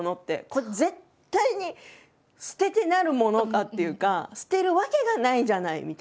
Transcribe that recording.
これ絶対に捨ててなるものかっていうか捨てるわけがないじゃない！みたいな。